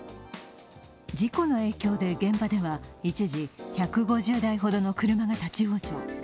事故の影響で現場では一時１５０台ほどの車が立往生。